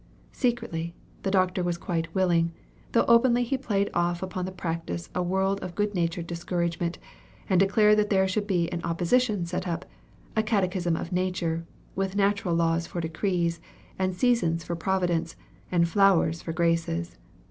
Secretly, the doctor was quite willing, though openly he played off upon the practice a world of good natured discouragement, and declared that there should be an opposition set up a catechism of Nature, with natural laws for decrees, and seasons for Providence, and flowers for graces!